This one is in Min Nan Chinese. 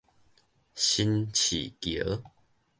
新市橋